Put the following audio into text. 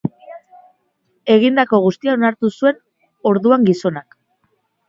Egindako guztia onartu zuen orduan gizonak.